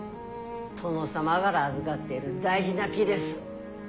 殿様がら預がってる大事な木です。